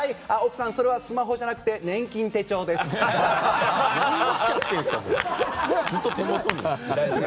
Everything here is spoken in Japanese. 奥さん、それはスマホじゃなくて年金手帳ですよ。